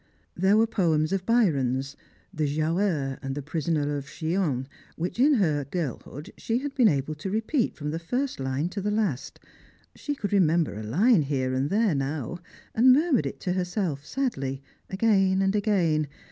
There were poems of Byron's, the " Giaour," the " Prisoner of Chillon," which in her girlhood she had been able to repeat from the first line to the last. She could remember a line here and there now, and mur mured it to herself sadly, again and again.